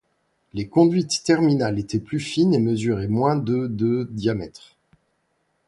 Les conduites terminales étaient plus fines et mesuraient moins de de diamètre.